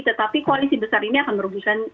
tetapi koalisi besar ini akan merugikan